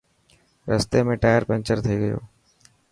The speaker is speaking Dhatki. رستي ۾ ٽائر پينچر ٿي گيو.